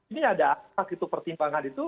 ini ada akal gitu pertimbangan itu